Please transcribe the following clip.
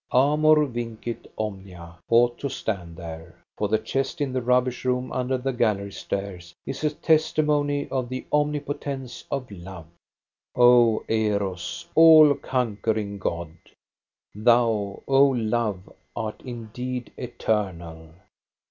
" Amor vincit omnia '* ought to stand there. For the chest in the rubbish room under the gallery stairs is a testimony of the omnipotence of love. O Eros, all conquering god ! Thou, O Love, art indeed eternal